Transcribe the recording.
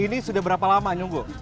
ini sudah berapa lama nyunggo